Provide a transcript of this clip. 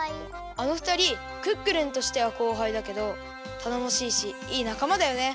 あのふたりクックルンとしてはこうはいだけどたのもしいしいいなかまだよね。